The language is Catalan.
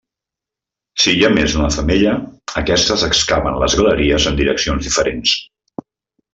Si hi ha més d'una femella, aquestes excaven les galeries en direccions diferents.